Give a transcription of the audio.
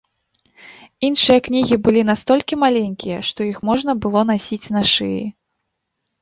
Іншыя кнігі былі настолькі маленькія, што іх можна было насіць на шыі.